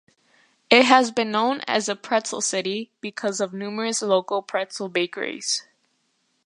It has been known as "The Pretzel City", because of numerous local pretzel bakeries.